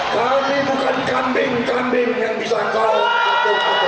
kami bukan kambing kambing yang bisa kau kutuk kutuk